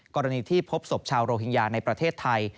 กรณีที่พบศพชาวโรฮิงญาในประเทศไทย